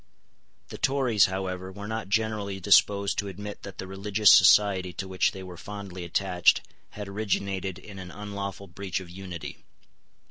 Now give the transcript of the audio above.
The Tories, however, were not generally disposed to admit that the religious society to which they were fondly attached had originated in an unlawful breach of unity.